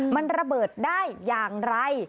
มันระเบิดได้อย่างไร